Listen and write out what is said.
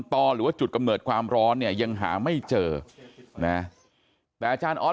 ต่อหรือว่าจุดกำเนิดความร้อนเนี่ยยังหาไม่เจอนะแต่อาจารย์ออส